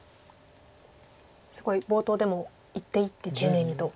すごい冒頭でも一手一手丁寧にと。